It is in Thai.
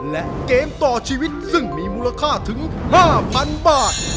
และเกมต่อชีวิตซึ่งมีมูลค่าถึง๕๐๐๐บาท